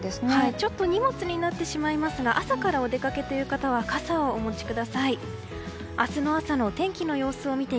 ちょっと荷物になってしまいますが朝からお出かけという方は傘をお持ちください。